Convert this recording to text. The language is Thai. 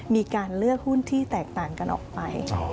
มีการเลือกหุ้นที่แตกต่างกันออกไป